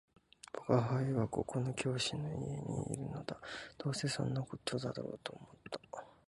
「吾輩はここの教師の家にいるのだ」「どうせそんな事だろうと思った